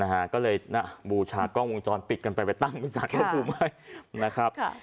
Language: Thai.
นะฮะก็เลยน่ะบูชากล้องวงจรปิดกันไปไปตั้งเป็นสารพระภูมิให้นะครับค่ะ